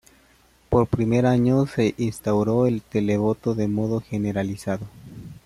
Por primer año, se instauró el televoto de modo generalizado.